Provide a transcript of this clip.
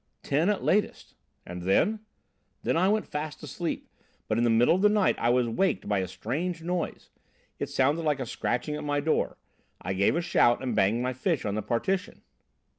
"Ten at latest." "And then?" "Then I went fast asleep, but in the middle of the night I was waked by a strange noise. It sounded like a scratching at my door. I gave a shout and banged my fist on the partition."